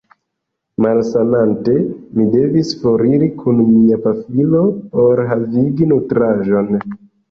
Malsanante, mi devis foriri kun mia pafilo por havigi nutraĵon.